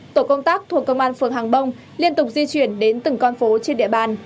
tổ công tác thuộc công an phường hàng bông liên tục di chuyển đến từng con phố trên địa bàn